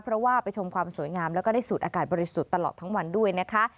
เพราะว่าไปชมความสวยงามแล้วก็ได้สูดอากาศบริสุทธิ์ตลอดทั้งวันด้วยนะคะ